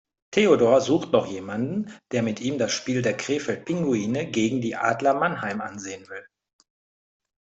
Theodor sucht noch jemanden, der mit ihm das Spiel der Krefeld Pinguine gegen die Adler Mannheim ansehen will.